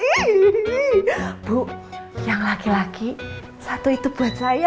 ibu yang laki laki satu itu buat saya